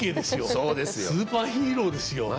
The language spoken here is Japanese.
スーパーヒーローですよ。